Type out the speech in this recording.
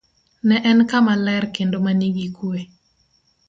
Ne en kama ler kendo ma nigi kuwe.